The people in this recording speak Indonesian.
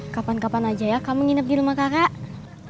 kapan kapan aja ya kamu nginep di rumah kakak